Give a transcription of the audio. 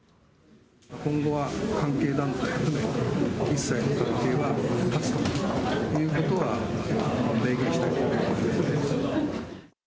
今後は関係団体含め、一切の関係は断つということは明言したいと思っております。